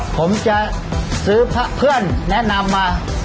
ผมจะซื้อพระเพื่อนแนะนำมา